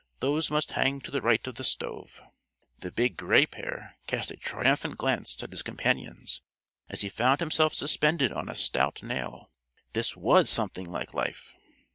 Those must hang to the right of the stove." The Big Gray Pair cast a triumphant glance at his companions as he found himself suspended on a stout nail. This was something like life!